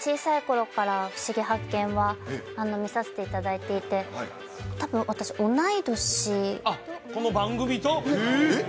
小さい頃から「ふしぎ発見！」は見させていただいていてこの番組と？えっ？